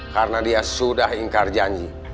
karena dia sudah ingkar janji